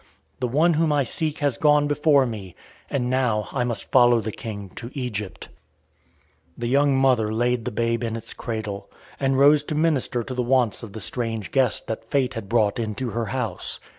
The one whom I seek has gone before me; and now I must follow the King to Egypt." The young mother laid the babe in its cradle, and rose to minister to the wants of the strange guest that fate had brought into her house.